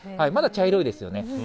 まだ茶色いですよね。